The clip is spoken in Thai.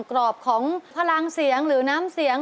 กรอบของพลังเสียงหรือน้ำเสียง